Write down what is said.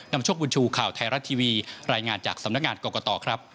นำช่วงบุญชูข่าวไทราตร์ทีวีรายงานจากสำนักงงานกรกต